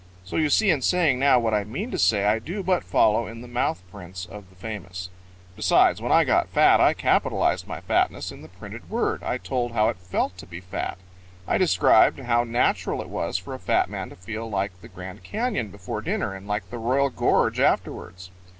So you see in saying now what I mean to say I do but follow in the mouth prints of the famous. Besides, when I got fat I capitalized my fatness in the printed word. I told how it felt to be fat. I described how natural it was for a fat man to feel like the Grand Cañon before dinner and like the Royal Gorge afterwards.